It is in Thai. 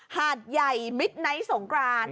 หาดใหญ่มิดไนท์สงกราน